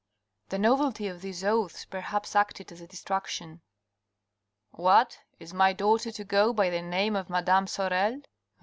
The novelty of these oaths perhaps acted as a distraction. " What ! is my daughter to go by the name of madame Sorel